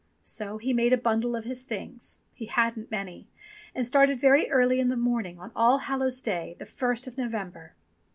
So he made a bundle of his things — he hadn't many — and started very early in the morning, on All hallows Day, the first of November.